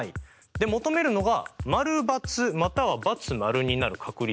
で求めるのが○×または×○になる確率。